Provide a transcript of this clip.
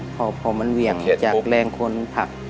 พอมันเหวี่ยงจากแรงคนผลัก